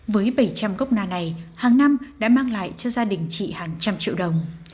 với bảy trăm linh gốc na này hàng năm đã mang lại cho gia đình chị hàng trăm triệu đồng